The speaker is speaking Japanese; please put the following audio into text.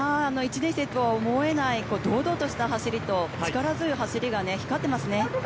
年生とは思えない堂々とした走りと力強い走りが光っていますね。